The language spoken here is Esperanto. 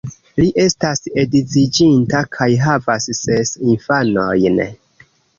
Li estas edziĝinta kaj havas ses infanojn.